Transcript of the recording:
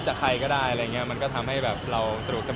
ยังไม่ได้ลองก็อย่าให้ลองดูครับ